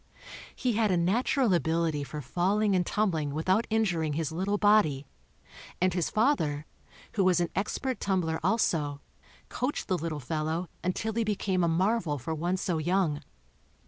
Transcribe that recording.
He had a natural ability for falling and tumbling without injuring his little body and his father, who w r as an expert tumbler also, coached the little fellow' until he became a marvel for one so young.